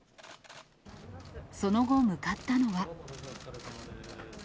その後、向かったのは。